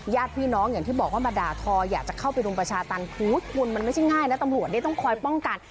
ญาติพี่น้องอย่างที่บอกว่ามาด่าทออยากจะเข้าไปรุมประชาตันคุณมันไม่ใช่ง่ายนะตำรวจเนี่ยต้องคอยป้องกัน